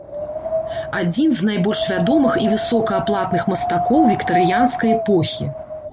Адзін з найбольш вядомых і высокааплатных мастакоў віктарыянскай эпохі.